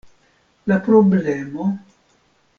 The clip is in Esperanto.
La problemo.